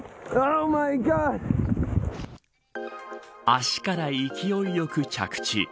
足から勢いよく着地。